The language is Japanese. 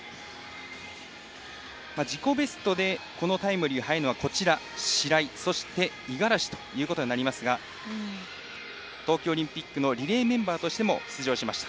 自己ベストでこのタイムより早いのは白井、そして五十嵐ということになりますが東京オリンピックのリレーメンバーとしても出場しました。